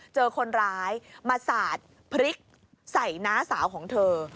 เจอคนร้ายมาสาดพริกใส่น้าสาวของเธอ